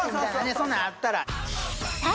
そんなんあったらさあ